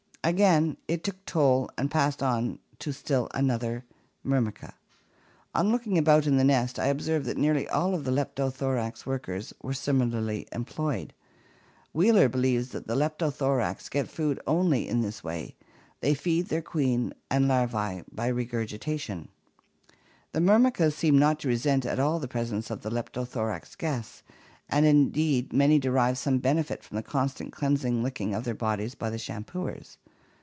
Again it took toll and passed on to still another Myrmica. On looking about in the nest, I observed that nearly all the Leptothorax workers were similarly employed. ' Wheeler believes that the Leptothorax get food only in this way; they feed their queen and larvae by regurgitation. tj 1 ANIMAL ASSOCIATIONS. COMMUNALISM 261 The Myrmicas seem not to resent at all the presence of the Leptothorax guests, and indeed may derive some benefit from the constant cleansing licking of their bodies by the shampooers.